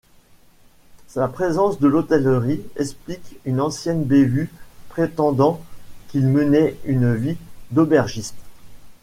La présence de l’hôtellerie explique une ancienne bévue prétendant qu'il menait une vie d'aubergiste.